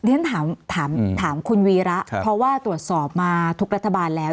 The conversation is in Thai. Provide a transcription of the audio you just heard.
เดี๋ยวฉันถามถามถามคุณวีระครับเพราะว่าตรวจสอบมาทุกรัฐบาลแล้ว